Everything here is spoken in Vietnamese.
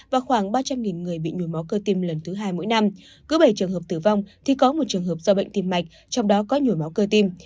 và khoảng ba trăm linh người bị nhồi máu cơ tim lần thứ hai mỗi năm